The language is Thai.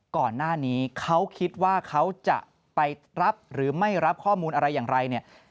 ก่อนหน้านี้เขาคิดว่าเขาจะไปรับหรือไม่รับข้อมูลอะไรอย่างไรเนี่ย